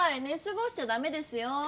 ねすごしちゃダメですよ。